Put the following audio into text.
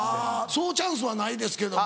そうチャンスはないですけども。